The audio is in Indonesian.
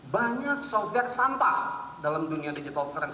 banyak software sampah dalam dunia digital versi